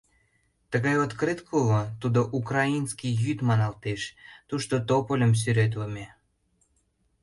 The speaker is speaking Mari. Тыгай открытке уло, тудо «Украинский йӱд» маналтеш, тушто топольым сӱретлыме.